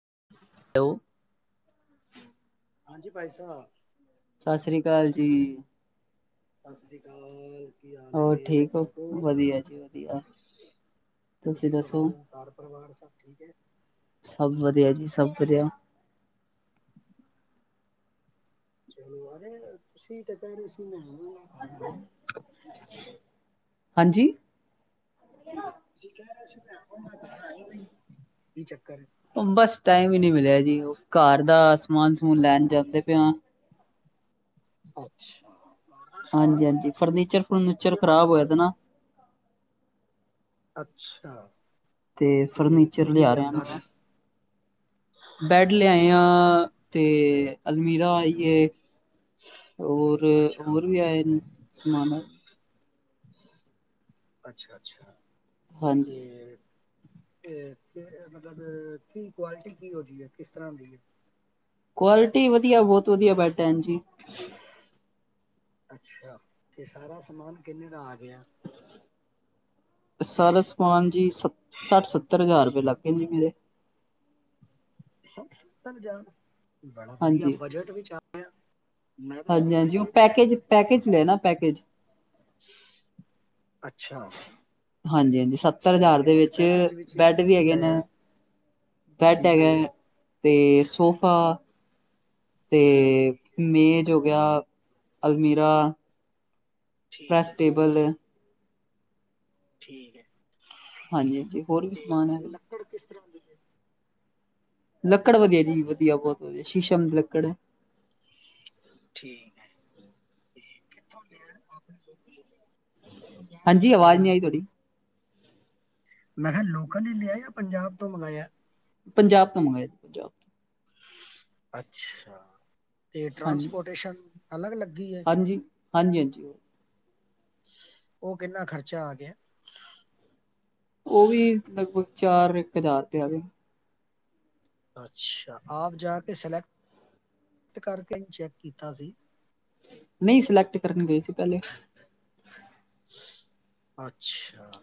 [inaudible] ਹਾਂਜੀ ਭਾਈ ਸਾਹਿਬ ਸਤਿ ਸ੍ਰੀ ਅਕਾਲ ਜੀ ਸਤਿ ਸ੍ਰੀ ਅਕਾਲ ਕੀ ਹਾਲ ਹੋਰ ਠੀਕ ਹੋ ਵਧੀਆ ਜੀ ਵਧੀਆ ਤੁਸੀਂ ਸੁਣਾਓ ਘਰ ਪਰਿਵਾਰ ਸਭ ਠੀਕ ਹੈ ਸਭ ਵਧੀਆ ਜੀ ਸਭ ਵਧੀਆ [inaudible] [inaudible] ਹਾਂਜੀ ਜੀ ਕਹਿ ਰਹੇ ਸੀ [inaudible] ਬਸ ਟਾਈਮ ਹੀ ਨਹੀਂ ਮਿਲਿਆ ਜੀ ਉਹ ਘਰ ਦਾ ਸਮਾਨ ਸਮੂਨ ਲੈਣ ਜਾਂਦੇ ਪਿਆ [inaudible] ਸਮਾਨ ਹਾਂਜੀ ਹਾਂਜੀ ਮਤਲਬ ਕਿ ਫਰਨੀਚਰ ਫਰੂਨੀਚਰ ਕਿਹੜਾ ਖ਼ਰਾਬ ਹੋਇਆ ਸਮਾਨ ਤੇ ਨਾ ਅੱਛਾ ਤੇ ਫਰਨੀਚਰ ਕੀ ਕੀ ਲਿਆ ਲਿਆਂਦਾ ਰਿਹਾ ਨੇ ਬੈਡ ਲਿਆਏ ਆ ਤੇ ਅਲਮੀਰਾ ਆਈਏ ਹੋਰ ਅੱਛਾ ਹੋਰ ਵੀ ਆਏ ਸਮਾਨ ਅੱਛਾ ਅੱਛਾ ਹਾਂਜੀ [inaudible] ਮਤਲਬ ਕੀ ਕੁਆਲਿਟੀ ਕੀ ਹੋੀ ਕਿਸ ਤਰਾਂ ਕੋਲ। ਕੁਆਲਿਟੀ ਵਧੀਆ ਬਹੁਤ ਵਧੀਆ ਭੈਣਜੀ ਜ। [inaudible] ਅੱਛਾ ਇਹ ਸਾਰਾ ਸਮਾਨ ਕਿੰਨੇ ਦਾ ਆ ਗਿਆ? ਸਾਰਾ ਸਮਾਨ ਜੀ ਸੱਠ ਸੱਤਰ ਹਜ਼ਾਰ ਰੁਪਏ ਲੱਗਗੇ ਜੀ ਮੇਰੇ। ਸਠ ਸਤਰ ਹਜਾਰ ਰੁਪਏ। ਬੜਾ ਵਧੀਆ ਹਾਂਜੀ। ਬਜਟ ਵਿਚ ਹੈ। ਹਾਂਜੀ ਹਾਂਜੀ ਉਹ ਸਵਾ ਪੈਕੇਜ ਲੱਖ ਦਾ ਤਾਂ ਪੈਕੇਜ ਲੈ ਹੋਏਗਾ ਨਾ ਪੈਕੇਜ ਅੱਛਾ। ਹਾਂਜੀ ਹਾਂ। ਸੱਤਰ ਠੀਕ ਹਜ਼ਾਰ ਹੈ ਦੇ ਤੇ ਵਿੱਚ ਪੈਕੇਜ ਵਿੱਚ ਬੈਡ ਕੀ ਵੀ ਕੀ ਹੈਗੇ ਨੇ ਆਇਆ ਬੈਡ ਠੀਕ ਹੈਗੇ ਹੈ ਅਤੇ ਸੋਫਾ ਤੇ ਠੀਕ ਹੈ ਮੇਜ ਹੋ ਗਿਆ ਅਲਮੀਰਾ। ਠੀਕ ਪ੍ਰੈੱਸ ਹੈ ਟੇਬਲ ਠੀਕ ਹੈ। ਹਾਂਜੀ ਹਾਂਜੀ ਹੋਰ ਵੀ ਸਮਾਨ ਹੈ। ਤੇ ਲੱਕੜ ਕਿਸ ਤਰ੍ਹਾਂ ਦੀ ਹੈ ਲੱਕੜ ਵਗੈਰੀ ਵਧੀਆ ਬਹੁਤ ਵਧੀਆ ਸ਼ੀਸ਼ਮ ਦੀ ਲੱਕੜ ਹੈ। ਠੀਕ ਹੈ ਠੀਕ ਕਿਥੋਂ ਲਿਆ ਆਪਣੇ? ਜਾਂ ਪੰਜਾਬ ਤੋਂ ਹਾਂਜੀ ਆਵਾਜ਼ ਮੰਗਾਇਆ ਨਹੀਂ ਆਈ ਤੁਹਾਡੀ। ਮੈਂ ਕਿਹਾ ਲੋਕਲ ਹੀ ਲਿਆ ਜਾਂ ਪੰਜਾਬ ਤੋਂ ਮੰਗਾਇਆ? ਪੰਜਾਬ ਤੋਂ ਮੰਗਆ ਸੀ ਪੰਜਾਬ ਤੋਂ। ਅੱਛਾ। ਤੇ ਹਾਂਜੀ ਟ੍ਰਾਂਸਪੋਰਟੇਸ਼ਨ ਅਲੱਗ ਅਲੱਗ। ਹਾਂਜੀ ਹਾਂਜੀ ਹਾਂਜੀ। ਔ ਕਿੰਨਾ ਖ਼ਰਚਾ ਆ ਗਿਆ। ਔ ਵੀ ਲਗਭਗ ਚਾਰ ਇੱਕ ਹਜ਼ਾਰ ਤੇ ਆ ਗਏ ਅੱਛਾ ਆਪ ਜਾ ਕੇ ਸਲੈਕਟ ਕਰਕੇ ਚੈੱਕ ਕੀਤਾ ਸੀ। ਨਹੀਂ ਸਿਲੈਕਟ ਕਰਨ ਗਏ ਸੀ ਪਹਿਲੇ। ਅੱਛਾ।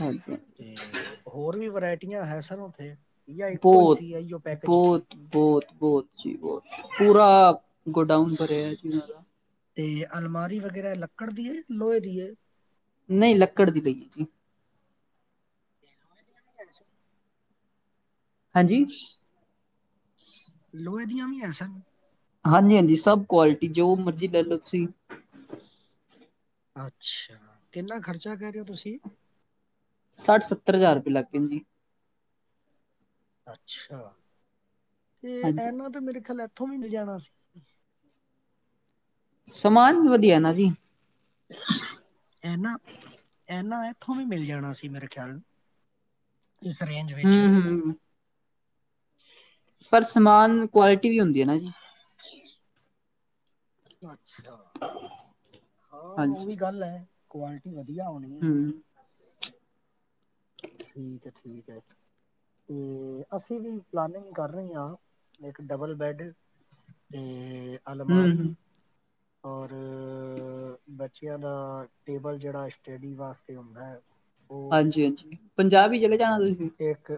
ਹਾਂਜੀ ਤੇ ਹੋਰ ਵੀ ਵਰਾਇਟੀ ਹੈ ਸਨ ਉੱਥੇ ਜਾਂ ਇੱਕੋ ਹੀ ਬਹੁਤ ਸੀ ਇਹੀਓ ਪੈਕੇਜ ਸੀ ਬਹੁਤ ਬਹੁਤ ਬਹੁਤ। ਜੀ ਬਹੁਤ। ਪੂਰਾ ਗੋਡਾਊਨ ਭਰਿਆ ਚੀਜ਼ਾ ਦਾ। ਤੇ ਅਲਮਾਰੀ ਵਗੈਰਾ ਲੱਕੜ ਦੀ ਏ, ਲੋਹੇ ਦੀ ਏ? ਨਹੀਂ ਲੱਕੜ ਦੀ ਪਈ ਹੈ ਜੀ। [inaudible] ਹਾਂਜੀ। ਲੋਹੇ ਦੀਆਂ ਵੀ ਹੈ ਸਨ। ਹਾਂਜੀ ਹਾਂਜੀ ਸਭ ਕੁਆਲਿਟੀ ਜੋ ਮਰਜੀ ਲੈ ਲਓ ਤੁਸੀਂ। ਅੱਛਾ ਕਿੰਨਾ ਖ਼ਰਚਾ ਕਹਿ ਰਹੇ ਹੋ ਤੁਸੀਂ? ਸੱਠ ਸੱਤਰ ਹਜ਼ਾਰ ਰੁਪਏ ਲੱਗ ਗਏ ਜੀ। ਅੱਛਾ। ਤੇ ਹਾਂਜੀ ਇਹਨਾਂ ਤੇ ਮੇਰੇ ਖ਼ਯਾਲ ਉੱਥੋਂ ਮਿਲ ਜਾਣਾ ਸੀ। ਸਮਾਨ ਵੀ ਵਧੀਆ ਨਾ ਜੀ। ਇਹਨਾ ਇਹਨਾ ਇੱਥੋਂ ਵੀ ਮਿਲ ਜਾਣਾ ਸੀ ਮੇਰੇ ਖਿਆਲ ਨੂੰ ਇਸ ਰੇਂਜ ਵਿੱਚ। ਹੂੰ ਹੂੰ ਪਰ ਸਮਾਨ ਕੁਆਲਿਟੀ ਵੀ ਹੁੰਦੀ ਹੈ ਨਾ ਜੀ। ਹ। [unintelligible] ਅੱਛਾ ਹਾਂ ਔ ਹਾਂਜੀ ਵੀ ਗੱਲ ਹੈ। ਕੁਆਲਟੀ ਵਧੀਆ। ਵਧੀਆ ਆਉਣੀ ਏ। ਹੂੰ ਠੀਕ ਹੈ ਠੀਕ ਹੈ ਤੇ ਅਸੀਂ ਵੀ ਪਲਾਨਿੰਗ ਕਰ ਰਹੇ ਹਾਂ ਇੱਕ ਡਬਲ ਬੈਡ ਤੇ ਹੂੰ ਅਲਮਾਰੀ। ਹੂੰ ਹੋਰ? ਅ ਬਚ ਬੱਚਿਆਂ ਦਾ ਟੇਬਲ ਜਿਹੜਾ ਸਟਡੀ ਵਾਸਤੇ ਹੁੰਦਾ ਹੈ। ਉਹ ਪੰਜਾਬੀ ਜਿਹੜੇ [unintelligible] ਇੱਕ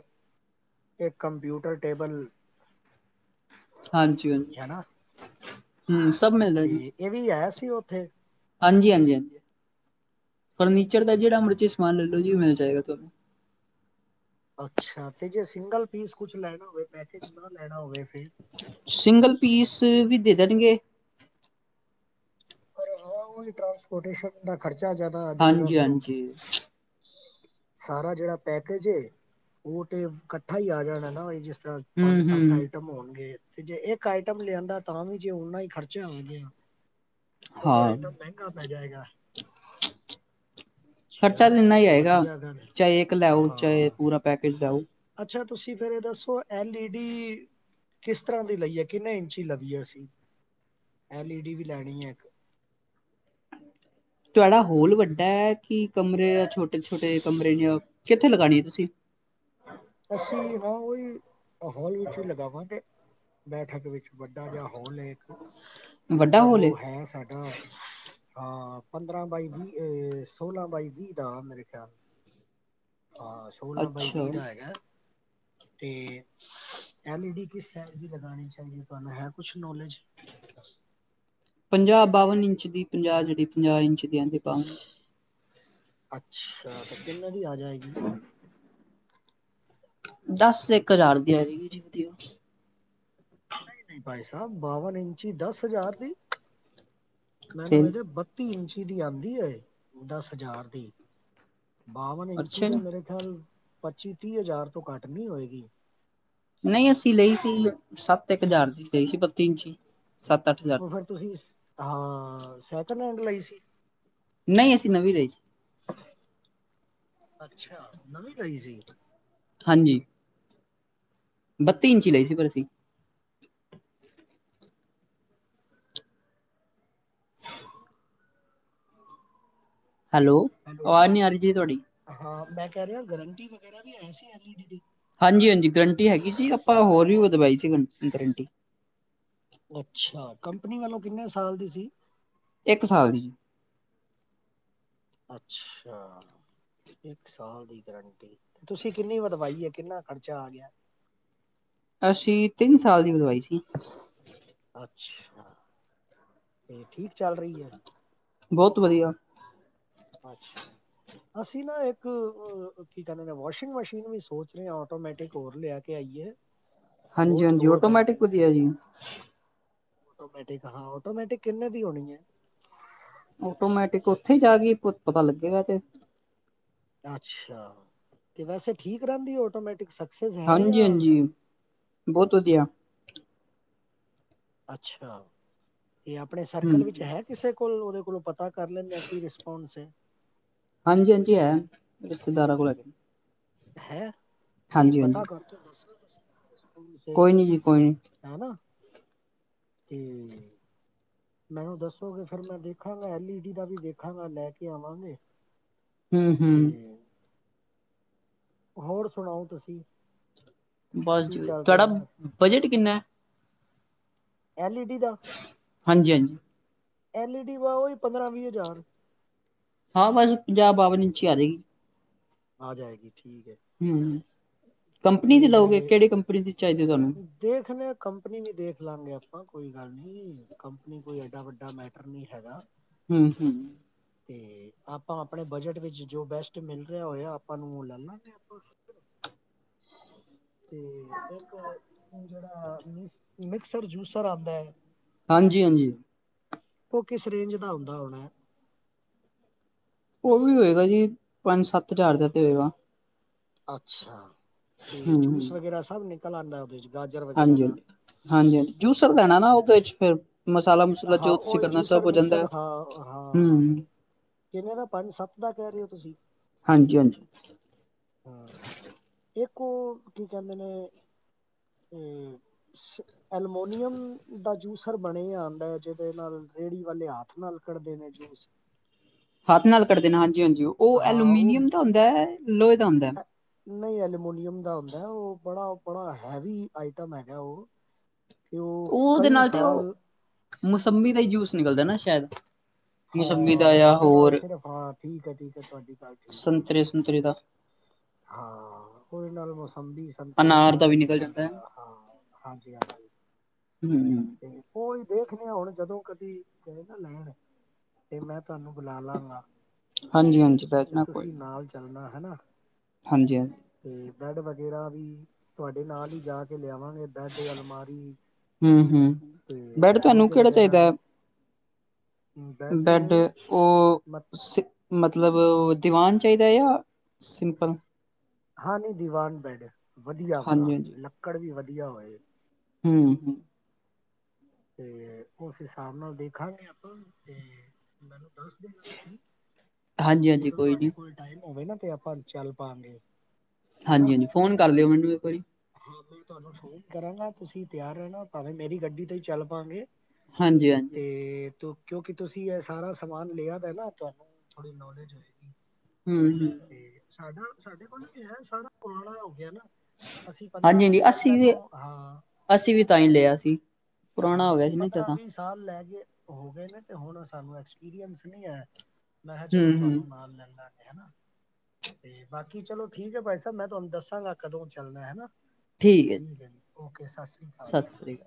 ਇੱਕ ਕੰਮਪਿਊਟਰ ਟੇਬਲ ਹਾਂਜੀ-ਹਾਂਜੀ, ਹੈ ਨਾ ਹਮ ਸਭ ਮਿਲਦਾ ਜਾਦ ਇਹ ਵੀ ਆਇਆ ਤੇ ਉੱਥੇ। ਹਾਂਜੀ-ਹਾਂਜੀ-ਹਾਂਜੀ ਫਰਨੀਚਰ ਦਾ ਜਿਹੜਾ ਮਰਜ਼ੀ ਸਮਾਨ ਲੈ ਲੋ ਜੀ ਉਹ ਮਿਲ ਜਾਏਗਾ ਤੁਹਾਨੂੰ ਅੱਛਾ ਤੇ ਜੇ ਸਿੰਗਲ ਪੀਸ ਕੁਛ ਲੈਣਾ ਹੋਵੇ ਪੈਕੇਜ ਨਾ ਲੈਣਾ ਹੋਵੇ। ਫਿਰ ਸਿੰਗਲ ਪੀਸ ਵੀ ਦੇ ਦੇਣਗੇ। ਟਰਾਂਸਪੋਰਟੇਸ਼ਨ ਦਾ ਖਰਚਾ ਜ਼ਿਆਦਾ ਆ ਜਾਏਗਾ ਫਿਰ ਉਹ ਹਾਂਜੀ-ਹਾਂਜੀ। ਸਾਰਾ ਜਿਹੜਾ ਪੈਕੇਜ ਏ ਉਹ ਤੇ ਇਕੱਠਾ ਹੀ ਆ ਜਾਣਾ ਨਾ ਜਿਸ ਚਾਰ ਹੂੰ ਪੰਜ ਸੱਤ ਹੂੰ ਆਈਟਮ ਹੋਣਗੇ। ਤੇ ਜੇ ਇੱਕ ਆਈਟਮ ਲਿਆਂਦਾ ਤਾਂ ਵੀ ਜੇ ਓਨਾ ਹੀ ਖਰਚਾ ਆ ਗਿਆ। ਉਹ ਤੇ ਹਾਂ ਆਈਟਮ ਮਹਿੰਗਾ ਪੈ ਜਾਏਗਾ। ਆ। ਖਰਚਾ ਤਾਂ ਇੰਨਾ ਹੀ ਆਏਗਾ ਹੈ ਚਾਹੇ ਇੱਕ ਲੈਓ ਚਾਹੇ ਹਾਂ ਪੂਰਾ ਪੈਕੇਜ ਲੈਓ। ਅੱਛਾ ਤੁਸੀਂ ਫੇਰ ਇਹ ਦੱਸੋ ਐਲ ਈ ਡੀ ਕਿਸ ਤਰ੍ਹਾਂ ਦੀ ਲਈ ਹੈ ਕਿੰਨੇ ਇੰਚ ਹੀ ਲਵੀਏ ਅਸੀਂ ਐਲ ਈ ਡੀ ਵੀ ਲੈਣੀ ਹੈ ਇੱਕ ਤੁਹਾਡਾ ਹੋਲ ਵੱਡਾ ਹੈ, ਕਿ ਕਮਰੇ ਛੋਟੇ-ਛੋਟੇ ਕਮਰੇ ਨੇ ਕਿੱਥੇ ਲਗਾਣੀ ਹੈ ਤੁਸੀਂ ਅਸੀਂ ਨਾ ਉਹ ਹੀ ਹਾਲ ਵਿੱਚ ਵੀ ਲਗਾਵਾਂਗੇ। ਬੈਠਕ ਵਿੱਚ, ਵੱਡਾ ਜਿਹਾ ਹੋਲ ਹੈ ਇੱਕ ਵੱਡਾ ਲਗਭਗ ਹੋਲ ਏ ਉਹ ਹੈ ਸਾਡਾ ਹਾਂ, ਪੰਦਰਾਂ ਬਾਈ ਵੀਹ, ਸੋਲਾਂ ਬਾਈ ਵੀਹ ਦਾ ਮੇਰੇ ਖਿਆਲ ਹਾਂ ਸੋਲਾਂ ਬਾਈ ਅੱਛਾ ਵੀਹ ਦਾ ਹੈਗਾ। ਤੇ ਐਲ ਈ ਡਡੀ ਕਿਸ ਸੈੱਜ ਦੀ ਲਗਾਣੀ ਚਾਹੀਦੀ ਹੈ ਤੁਹਾਨੂੰ ਹੈ ਕੁਛ ਨੌਲੇਜ ਪੰਜਾਹ ਬਵਨ ਇੰਚ ਦੀ ਪੰਜਾਹ ਜਿਹੜੀ ਪੰਜਾਹ ਇੰਚ ਜਾਂਦੀ ਪਾ ਅੱਛਾ ਤੇ ਕਿੰਨਾ ਦੀ ਆ ਜਾਏਗੀ। ਦਸ ਇੱਕ ਹਜ਼ਾਰ ਦੀ ਆਜੇਗੀ ਜੀ ਵਧੀਆ। ਨਹੀਂ ਨਹੀਂ ਭਾਈ ਸਾਹਿਬ ਬਾਵਨ ਇੰਚੀ ਦਸ ਹਜ਼ਾਰ ਦੀ ਮੈਨੂੰ ਫਿਰ ਮੇਰੇ ਬੱਤੀ ਇੰਚ ਦੀ ਆਦੀ ਐ ਦਸ ਹਜ਼ਾਰ ਦੀ, ਬਾਵਨ ਇੰਚੀ ਅੱਛਾ ਜੀ ਦਾ ਮੇਰੇ ਖਿਆਲ, ਪੱਚੀ ਤੀਹ ਹਜ਼ਾਰ ਤੋਂ ਘੱਟ ਨਹੀਂ ਹੋਏਗੀ। ਨਹੀਂ ਅਸੀਂ ਲਈ ਸੀ, ਸੱਤ ਇੱਕ ਹਜ਼ਾਰ ਦੀ ਲਈ ਸੀ ਬੱਤੀ ਇੰਚੀ ਸੱਤ ਅੱਠ ਹਜ਼ਾਰ ਦੀ ਬਰ ਤੁਸੀਂ, ਹਾਂ ਸੈਕਿੰਡ ਹੈਂਡ ਲਈ ਸੀ। ਨਹੀਂ ਅਸੀਂ ਨਵੀਂ ਲਈ ਸੀ ਅੱਛਾ ਨਵੀਂ ਲਈ ਸੀ। ਹਾਂਜੀ, ਬੱਤੀ ਇੰਚੀ ਲਈ ਸੀ ਪਰ ਅਸੀਂ, ਹੈਲੋ, ਹੈਲੋ ਅਵਾਜ਼ ਨੀ ਆ ਰਹੀ ਜੀ ਤੁਹਾਡੀ, ਹਾਂ ਮੈਂ ਕਹਿ ਰਿਹਾ ਗਰੰਟੀ ਵਗੈਰਾ ਵੀ ਹੈ ਸੀ ਐਲ ਈ ਡੀ ਦੀ, ਹਾਂਜੀ ਹਾਂਜੀ ਗਰੰਟੀ ਹੈਗੀ ਸੀ, ਆਪਾਂ ਹੋਰ ਵੀ ਵਧਵਾਈ ਸੀ, ਗਰੰਟੀ ਅੱਛਾ ਕੰਪਨੀ ਵੱਲੋਂ ਕਿੰਨੇ ਸਾਲ ਦੀ ਸੀ। ਇੱਕ ਸਾਲ ਦੀ, ਅੱਛਾ ਇੱਕ ਸਾਲ ਦੀ ਗਰੰਟੀ ਤੇ ਤੁਸੀਂ ਕਿੰਨੀ ਵਧਵਾਈ ਹੈ, ਕਿੰਨਾ ਖ਼ਰਚਾ ਆ ਗਿਆ। ਅੱਸੀਂ ਤਿੰਨ ਸਾਲ ਦੀ ਵਧਵਾਈ ਸੀ। ਅੱਛਾ, ਤੇ ਠੀਕ ਚੱਲ ਰਹੀ ਹੈ। ਬਹੁਤ ਵਧੀਆ ਅੱਛਾ। ਅਸੀਂ ਨਾ ਇੱਕ, ਕੀ ਕਹਿੰਦੇ ਨੇ ਵਾਸ਼ਿੰਗ ਮਸ਼ੀਨ ਵੀ ਸੋਚ ਰਹੇ ਹਾਂ ਆਟੋਮੈਟਿਕ ਹੋਰ ਲਿਆ ਕੇ ਆਈਏ। ਹਾਂਜੀ ਬਹੁਤ ਹਾਂਜੀ ਲੋਡ ਪੈਂਦੀ ਆਟੋਮੈਟਿਕ ਹੈ ਵਧੀਆ ਜੀ। ਆਟੋਮੈਟਿਕ ਹਾਂ, ਆਟੋਮੈਟਿਕ ਕਿੰਨਾਂ ਦੀ ਹੋਣੀ ਹੈ। ਆਟੋਮੈਟਿਕ ਉੱਥੇ ਹੀ ਜਾ ਗਈ ਪਤਾ ਲੱਗੇਗਾ ਤੇ ਅੱਛਾ ਤੇ ਵੈਸੇ ਠੀਕ ਰਹਿੰਦੀ ਆਟੋਮੈਟਿਕ ਸਕਸੈਸ ਹੈ ਹਾਂਜੀ ਜਾਂ -ਹਾਂਜੀ ਬਹੁਤ ਵਧੀਆ। ਅੱਛਾ। ਤੇ ਆਪਣੇ ਹੂੰ ਸਰਕਲ ਵਿੱਚ ਹੈ ਕਿਸੇ ਕੋਲ ਉਹਦੇ ਕੋਲੋਂ ਪਤਾ ਕਰ ਲੈਂਦੇ ਹ ਕੀ ਰਿਸਪੋਂਸ ਹੈ। ਹਾਂਜੀ ਹਾਂਜੀ ਹੈ। ਰਿਸ਼ਤੇਦਾਰਾਂ ਕੋਲ ਹੈਗੇ। ਹੈਂ। ਤੇ ਹਾਂਜੀ ਹਾਂਜੀ ਪਤਾ ਕਰਕੇ ਦਸੋ ਤੁਸੀ ਕੋਈ ਨੀ ਜੀ ਕੋਈ ਨਹੀਂ। ਤੇ ਮੈਨੂੰ ਦੱਸੋਗੇ ਫਿਰ ਮੈਂ ਦੇਖਾਂਗਾ ਐਲ ਈ ਡੀ ਦਾ ਵੀ ਦੇਖਾਂਗਾ ਲੈ ਕੇ ਆਵਾਂਗੇ। ਹਮ -ਹਮ ਤੇ ਹੋਰ ਸੁਣਾਓ, ਤੁਸੀਂ ਬਸ ਕੀ ਜੀ, ਚੱਲ ਤੁਹਾਡਾ, ਰਿਹਾ ਬਜਟ ਕਿੰਨਾ ਐਲ ਈ ਡੀ ਦਾ ਹਾਂਜੀ-ਹਾਂਜੀ। ਐਲ ਈ ਡੀ ਵਾਓਹੀ ਪੰਦਰਾਂ -ਵੀਹ ਹਜ਼ਾਰ ਹਾਂ ਬਸ ਪੰਜਾਬ -ਬਾਵਨ ਇੰਚੀ ਆ ਜਾਏਗੀ। ਆ ਜਾਏਗੀ। ਠੀਕ ਹੈ। ਹੂੰ। ਕੰਪਨੀ ਦੀ ਲਓਗੇ, ਤੇ, ਕਿਹੜੀ ਕੰਪਨੀ ਦੀ ਚਾਹੀਦੀ ਤੁਹਾਨੂੰ? ਦੇਖਦੇ ਕੰਪਨੀ ਵੀ ਦੇਖ ਲਾਂਗੇ ਆਪਾਂ ਹਾਂ, ਕੋਈ ਗੱਲ ਨੀ ਕੰਪਨੀ ਕੋਈ ਐਡਾ ਵੱਡਾ ਮੈਟਰ ਨਹੀਂ ਹੈਗਾ। ਹੂੰ-ਹੂੰ, ਤੇ ਆਪਾਂ ਆਪਣੇ ਬਜਟ ਵਿੱਚ ਜੋ ਬੈਸਟ ਮਿਲ ਕਿਆ ਹੋਇਆ ਆਪਾਂ ਨੂੰਹ ਲੈ ਲਾਂਗੇ ਆਪਾਂ ਤੇ ਇੱਕ ਜਿਹੜਾ ਮਿਕਸਰ -ਜੂਸਰ ਆਉਂਦਾ ਹੈ। ਹਾਂਜੀ -ਹਾਂਜੀ। ਉਹ ਕਿਸ ਰੇਂਜ ਦਾ ਹੁੰਦਾ ਹੋਣਾ। ਉਹ ਵੀ ਹੋਏਗਾ ਜੀ, ਪੰਜ ਸੱਤ -ਹਜ਼ਾਰ ਦਾ ਤੇ ਹੋਏਗਾ। ਅੱਛਾ, ਤੇ ਜੂਸ ਵਗੈਰਾ ਸਭ ਨੇ, ਕੱਲ ਹਾਂਜੀ ਹਾਂਜੀ ਹਾਂਜੀ ਹਾਂਜੀ, ਜੂਸਰ ਦੇਣਾ ਨਾ ਉਹਦੇ ਚ ਹੂੰ, ਹਾਂ ਉਹ ਜੂਸਰ ਮਿਕਸਰ ਐ। ਹਾਂ-ਹਾਂ ਹੂੰ, ਕਿਨੇ ਦਾ ਪੰਜ ਸੱਤ, ਕਿਦਾਂ ਕਹਿ ਰਹੇ ਹੋ ਤੁਸੀਂ? ਹਾਂਜੀ ਹਾਂਜੀ, ਹਾਂ ਕੀ ਇੱਕ ਕਹਿੰਦੇ ਨੇ ਅਲਮੋਨੀਅਮ ਦਾ ਜੂਸਰ ਬਣੇ ਹਨ। ਜਿਹਦੇ ਨਾਲ ਰੇਹੜੀ ਵਾਲੇ ਹੱਥ ਨਾਲ ਕੱਢਦੇ ਨੇ ਜੂਸ ਹੱਥ ਨਾਲ ਕੱਢ ਦੇਣਾ, ਹਾਂਜੀ-ਹਾਂਜੀ। ਉਹ ਹਾਂ ਉਹ ਐਲਮੀਨੀਅਮ ਦਾ ਹੁੰਦਾ ਹੈ। ਲੋਹੇ ਦਾ ਹੁੰਦਾ। ਐ- ਨਹੀਂ ਐਲਮੀਨੀਅਮ ਦਾ ਹੁੰਦਾ ਉਹ ਬੜਾ ਬੜਾ ਹੈਵੀ ਆਈਟਮ ਹੈਗਾ ਉਹ ਤੇ ਉਹ ਉਹਦੇ ਕਈ ਨਾਲ ਤੇ ਉਹ ਸਾਲ ਮੋਸੰਮੀ ਕਈ ਦਾ ਹੀ ਸਾਲ ਜੂਸ ਨਹੀਂ ਨਿਕਲਦਾ ਨਾ ਚੱਲਦਾ ਸ਼ਾਇਦ ਹਾਂ ਮੌਸੰਮੀ ਦਾ ਜਾਂ ਉਹਦੇ ਨਾਲ ਹੋਰ ਸਿਰਫ ਹਾਂ ਠੀਕ ਹੈ ਠੀਕ ਹੈ ਤੁਹਾਡੀ ਗੱਲ ਠੀਕ ਹੈ। ਸੰਤਰੇ ਸੁੰਤਰੇ ਦਾ ਹਾਂ ਉਹਦੇ ਨਾਲ ਹੋ ਸ ਸੰਭੀ ਸੰਤਰੇ ਅਨਾਰ ਵਗੈਰਾ ਦਾ ਵੀ ਹੀ ਨਿਕਲ ਨਿਕਲਦਾ ਜਾਂਦਾ ਹੈ। ਹਾਂ ਹਾਂਜੀ ਹਾਂਜੀ ਹੂੰ ਤੇ ਹੋਰ, ਦੇਖ ਲਿਆ ਹੁਣ ਜਦੋਂ ਕਦੀ ਕ ਨਾ ਲੈਣ ਤੇ ਮੈਂ ਤੁਹਾਨੂੰ ਬੁਲਾ ਲਾਂਗਾ ਹਾਂਜੀ ਹਾਂਜੀ ਬਹਿ ਤੇ ਤੁਸੀਂ ਨਾਲ ਚੱਲਣਾ ਹੈਨਾ। ਹਾਂਜੀ-ਹਾਂਜੀ। ਅਤੇ ਬੈੱਡ ਵਗੈਰਾ ਵੀ, ਤੁਹਾਡੇ ਨਾਲ ਹੀ ਜਾ ਕੇ ਲਿਆਵਾਂਗੇ ਬੈਡ ਅਲਮਾਰੀ ਹੂੰ ਹੂੰ ਤੇ ਬੈਡ ਤੁਹਾਨੂੰ ਫਰਿੱਜ ਕਿਹੜਾ ਵਗੈਰਾ ਚਾਹੀਦਾ ਹੈ ਵੀ। ਬੈੱਡ ਬੈਡ ਉਹ ਮ ਮਤਲਬ, ਦੀਵਾਨ ਚਾਹੀਦਾ ਜਾਂ ਸਿੰਪਲ ਹਾਂ ਨੀ ਦੀਵਾਨ ਬੈਡ, ਵਧੀਆ ਵਾਲਾ ਹਾਂਜੀ ਲੱਕੜ ਵੀ ਵਧੀਆ ਵਧੀਆ ਹੋਏ। ਹੂੰ-ਹੂੰ। ਤੇ ਉਸ ਹਿਸਾਬ ਨਾਲ ਦੇਖਾਂਗੇ ਆਪਾਂ ਤੇ ਮੈਨੂੰ ਦੱਸ ਦੇਣਾ ਤੁਸੀਂ ਹਾਂਜੀ ਹਾਂਜੀ ਜਦੋਂ ਕੋਈ ਤੁਹਾਡੇ ਨੀ ਕੋਲ ਟਾਈਮ ਹੋਵੇ ਨਾ। ਤੇ ਆਪਾਂ ਚੱਲ ਪਾਗੇ। ਹਾਂਜੀ-ਹਾਂਜੀ। ਫੋਨ ਕਰ ਲਈਉ ਮੈਨੂੰ ਇੱਕ ਵਾਰੀ ਹਾਂ ਮੈਂ ਤੁਹਾਨੂੰ ਫੋਨ ਕਰਾਂਗਾ, ਤੁਸੀਂ ਤਿਆਰ ਰਹਿਣਾ ਭਾਵੇਂ ਮੇਰੀ ਗੱਡੀ ਤੇ ਚੱਲ ਪਾਗੇ। ਹਾਂਜੀ ਹਾਂਜੀ ਤੇ ਤੂੰ, ਕਿਉਂਕਿ ਤੁਸੀਂ ਇਹ ਸਾਰਾ ਸਮਾਨ ਲਿਆ ਦਾ ਨਾ ਤੁਹਾਨੂੰ ਥੋੜੀ ਨੋਲੇਜ ਹੋਏਗੀ। ਹੂੰ ਹੂੰ ਤੇ ਸਾਡਾ ਸਾਡੇ ਕੋਲ ਵੀ ਹੈ ਸਾਰਾ ਪੁਰਾਣਾ ਹੋ ਗਿਆ ਨਾ। ਅਸੀਂ ਹਾਂਜੀ-ਹਾਂਜੀ। ਸਾਲ ਅਸੀ ਵੀ ਪਹਿਲੋਂ ਹਾਂ ਅਸੀ ਵੀ ਤਾਂ ਹੀ ਲਿਆ ਸੀ। ਹਾਂ ਪੁਰਾਣਾ ਹੋ ਗਿਆ ਅਸੀਂ ਸੀ ਨਾ ਤਾ, ਸਾਲ ਲੈ ਹੋ ਗਏ ਨੇ ਤੇ ਹੁਣ ਸਾਨੂੰ ਐਕਸਪੀਰੀਅੰਸ ਨਹੀਂ ਹੈ। ਮੈਂ ਕਿਹਾ ਚਲੋ ਹੂੰ ਹੂੰ ਤੁਹਾਨੂੰ ਨਾਲ ਲੈਂਦਾ। ਤੇ ਬਾਕੀ ਚਲੋ ਠੀਕ ਹੈ, ਭਾਈ ਸਾਹਿਬ ਮੈਂ ਤੁਹਾਨੂੰ ਦੱਸਾਂਗਾ ਕਦੋਂ ਚੱਲਣਾ ਹੈ। ਠੀਕ ਹੈ ਜੀ ਓਕੇ ਸਤਿ ਸ੍ਰੀ ਅਕਾਲ ਸਤਿ ਜੀ। ਸ੍ਰੀ